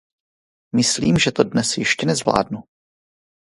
Myslím, že to dnes ještě nezvládnu.